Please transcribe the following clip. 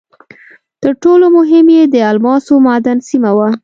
تر ټولو مهم یې د الماسو معدن سیمه وه.